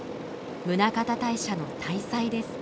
宗像大社の大祭です。